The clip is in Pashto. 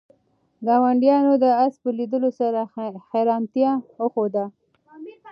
ګاونډیانو د آس په لیدلو سره حیرانتیا وښوده.